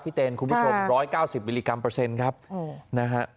พี่เตรนคุณผู้ชมสามร้อยเก้าสิบมิลลิกรัมเปอร์เซ็นต์ครับโอ้นะฮะ